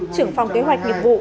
trưởng phòng kế hoạch nghiệp vụ